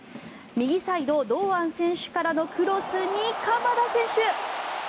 右サイド、堂安選手からのクロスに鎌田選手。